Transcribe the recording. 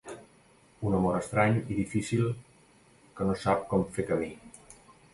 Un amor estrany i difícil que no sap com fer camí.